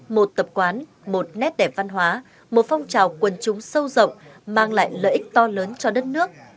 một tập quán một nét đẹp văn hóa một phong trào quân chúng sâu rộng mang lại lợi ích to lớn cho đất nước